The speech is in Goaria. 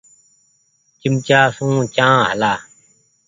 چمچآ سون چآنه هلآ۔